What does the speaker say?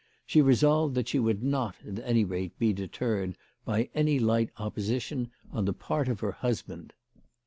She resolved that she would not, at any rate, be deterred by any light oppo sition on the part of her husband.